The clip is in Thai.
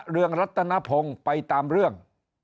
เรืองรัตนพงศ์ไปตามเรื่อง